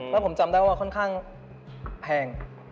แล้วผมจำได้ว่าค่อนข้างแพง